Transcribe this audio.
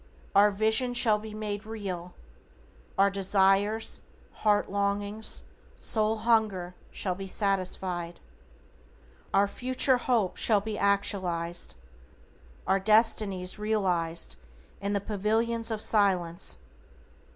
Our vision shall be made real. Our desires, heart longings, soul hunger shall be satisfied. Our future hopes shall be actualized. Our destinies realized in the pavilions of Silence.